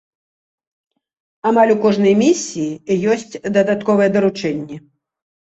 Амаль у кожнай місіі ёсць дадатковыя даручэнні.